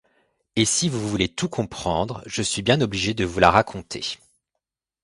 Et si vous voulez tout comprendre, je suis bien obligé de vous la raconter.